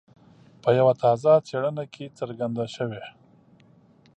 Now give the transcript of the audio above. په یوه تازه څېړنه کې څرګنده شوي.